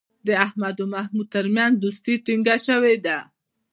د احمد او محمود ترمنځ دوستي ټینگه شوې ده.